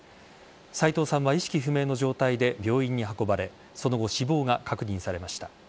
斎藤さんは意識不明の状態で病院に運ばれその後、死亡が確認されました。